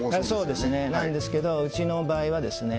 そうですねなんですけどうちの場合はですね